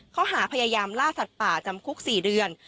ข้อหาพยายามล่าสัตว์ป่าจำคุก๔เดือน